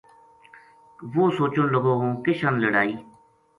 وہ سوچن لگو ہوں کِشان لڑائی